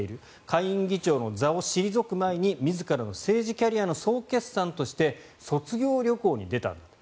下院議長の座を退く前に自らの政治キャリアの総決算として卒業旅行に出たんだと。